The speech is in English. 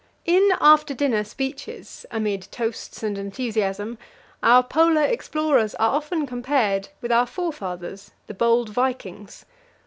In after dinner speeches, amid toasts and enthusiasm, our Polar explorers are often compared with our forefathers, the bold vikings.